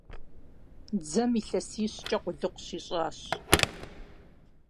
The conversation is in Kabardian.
Дзэм илъэсищкӏэ къулыкъу щищӏащ.